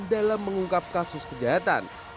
dalam mengungkap kasus kejahatan